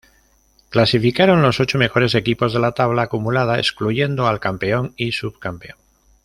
Clasificaron los ocho mejores equipos de la tabla acumulada, excluyendo al campeón y subcampeón.